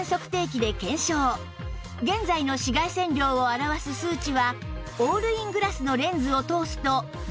現在の紫外線量を表す数値はオールイングラスのレンズを通すとなんとゼロに！